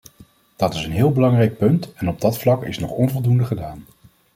Dat is een heel belangrijk punt en op dat vlak is nog onvoldoende gedaan.